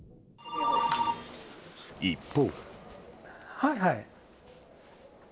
一方。